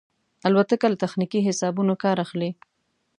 الوتکه له تخنیکي حسابونو کار اخلي.